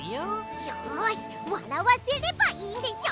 よしわらわせればいいんでしょ。